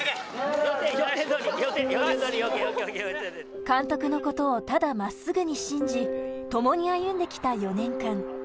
監督のことをただ真っすぐに信じ、ともに歩んできた４年間。